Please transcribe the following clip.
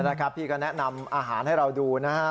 นะครับพี่ก็แนะนำอาหารให้เราดูนะฮะ